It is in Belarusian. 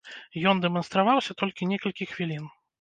Ён дэманстраваўся толькі некалькі хвілін.